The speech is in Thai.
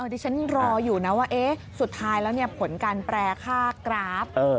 ดิฉันรออยู่นะว่าสุดท้ายแล้วผลการแปรค่ากราฟ